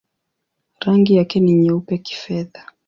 Rangi yake ni nyeupe-kifedha.